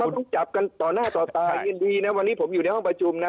ต้องจับกันต่อหน้าต่อตายินดีนะวันนี้ผมอยู่ในห้องประชุมนะ